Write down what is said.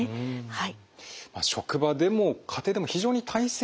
はい。